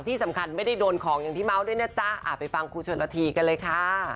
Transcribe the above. ที่สำคัญไม่ได้โดนของอย่างที่เมาส์ด้วยนะจ๊ะไปฟังครูชนละทีกันเลยค่ะ